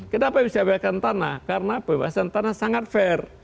kenapa bisa bebas jalan tanah karena bebas jalan tanah sangat fair